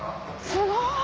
すごい！